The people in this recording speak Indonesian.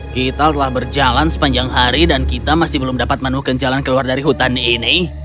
kita telah berjalan sepanjang hari dan kita masih belum dapat menemukan jalan keluar dari hutan ini